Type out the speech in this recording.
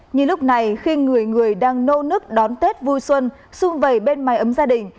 như lúc này khi người người đang nâu nước đón tết vui xuân sung vầy bên mái ấm gia đình